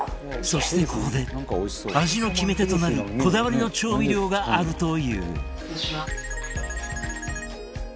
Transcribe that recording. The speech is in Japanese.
そしてここで味の決め手となるこだわりの調味料があるという。